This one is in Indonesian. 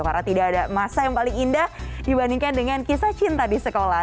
karena tidak ada masa yang paling indah dibandingkan dengan kisah cinta di sekolah